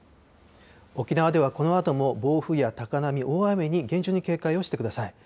沖縄ではこのあとも暴風や高波、大雨に厳重に警戒してください。